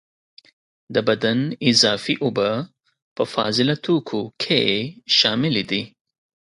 د بدن اضافي اوبه په فاضله توکو کې شاملي دي.